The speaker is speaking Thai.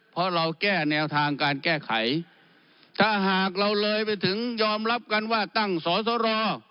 เพราะเราแก้แนวทางการแก้ไขถ้าหากเราเลยไปถึงยอมรับกันว่าตั้งสอสร